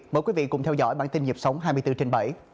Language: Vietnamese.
mời quý vị cùng theo dõi bản tin nhịp sống hai mươi bốn trên bảy